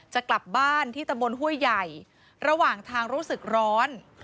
จะกลับบ้านที่ตะบนห้วยใหญ่ระหว่างทางรู้สึกร้อน